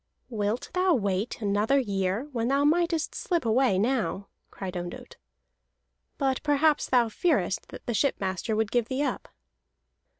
"Wilt thou wait another year when thou mightest slip away now?" cried Ondott. "But perhaps thou fearest that the shipmaster would give thee up."